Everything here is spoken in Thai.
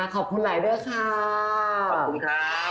ขอบคุณหลายด้วยครับ